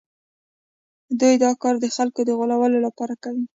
دوی دا کار د خلکو د غولولو لپاره کوي